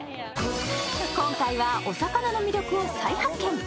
今回はお魚の魅力を再発見。